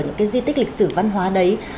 những cái di tích lịch sử văn hóa đấy